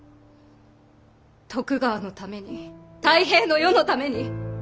徳川のために太平の世のために！